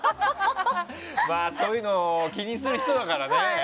そういうの気にする人だからね。